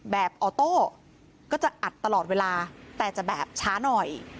ออโต้ก็จะอัดตลอดเวลาแต่จะแบบช้าหน่อย